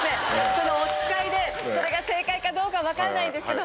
そのおつかいでそれが正解かどうか分かんないんですけど。